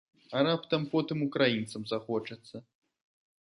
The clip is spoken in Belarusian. А раптам потым украінцам захочацца?